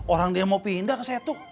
orang dia mau pindah ke satu